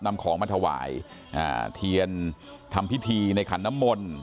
นำของมาถวายเทียนทำพิธีในขันน้ำมนต์